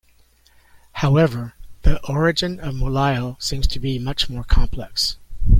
However, the origin of Mulao seems to be much more complex.